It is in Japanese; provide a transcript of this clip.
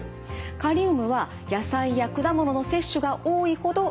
カリウムは野菜や果物の摂取が多いほど値が上がる。